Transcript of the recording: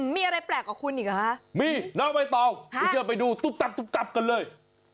มีอะไรแปลกกว่าคุณอีกเหรอมีน้องไบตองผู้เชื่อไปดูตุ๊บตับกันเลย